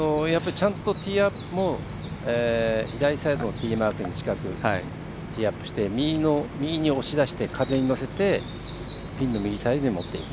ちゃんとティーアップも近くにティーアップして右に押し出して風に乗せてピンの右サイドに持っていく。